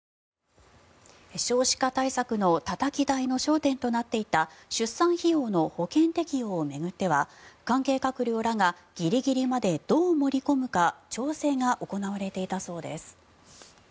少子化対策のたたき台の焦点となっていた出産費用の保険適用を巡っては関係閣僚らがギリギリまでどう盛り込むか調整が行われていたそうです。